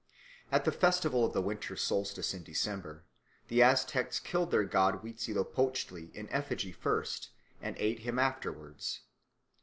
At the festival of the winter solstice in December the Aztecs killed their god Huitzilopochtli in effigy first and ate him afterwards.